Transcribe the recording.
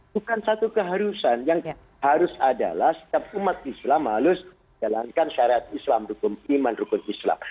bukan satu keharusan yang harus adalah setiap umat islam harus jalankan syarat islam iman rukun islam